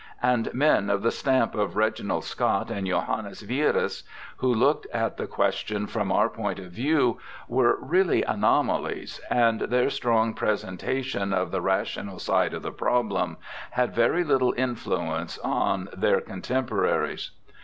— and men of the stamp of Reginald Scot and Johannes Wierus, who looked at the question from our point of view, were really anomalies, and their strong presentation of the rational side of the problem had very little influence on their contemporaries.